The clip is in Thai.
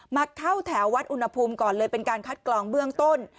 มาเข้าแถววัดอุณหภูมิก่อนเลยเป็นการคัดกรองเบื้องต้น